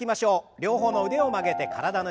両方の腕を曲げて体の横。